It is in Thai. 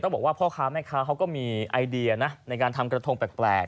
บอกว่าพ่อค้าแม่ค้าเขาก็มีไอเดียนะในการทำกระทงแปลก